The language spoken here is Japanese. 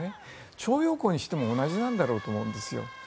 徴用工にしても同じだと思うんですよ。